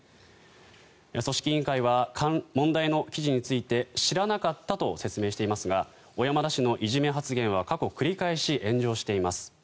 組織委員会は問題の記事について知らなかったと説明していますが小山田氏のいじめ発言は過去、繰り返し炎上しています。